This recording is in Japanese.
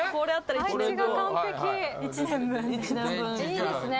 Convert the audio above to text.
いいですね！